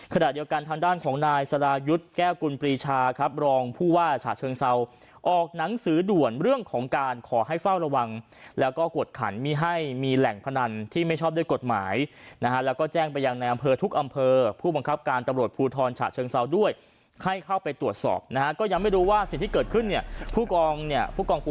ขณะเดียวกันทางด้านของนายสรายุทธ์แก้วกุลปรีชาครับรองผู้ว่าฉะเชิงเซาออกหนังสือด่วนเรื่องของการขอให้เฝ้าระวังแล้วก็กวดขันมีให้มีแหล่งพนันที่ไม่ชอบด้วยกฎหมายนะฮะแล้วก็แจ้งไปยังในอำเภอทุกอำเภอผู้บังคับการตำรวจภูทรฉะเชิงเซาด้วยให้เข้าไปตรวจสอบนะฮะก็ยังไม่รู้ว่าสิ่งที่เกิดขึ้นเนี่ยผู้กองเนี่ยผู้กอง